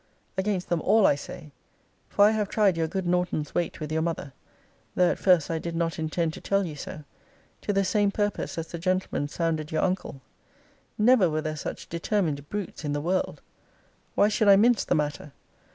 Against them all, I say; for I have tried your good Norton's weight with your mother, (though at first I did not intend to tell you so,) to the same purpose as the gentleman sounded your uncle. Never were there such determined brutes in the world! Why should I mince the matter?